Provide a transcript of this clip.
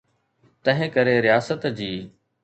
تنهنڪري رياست جي.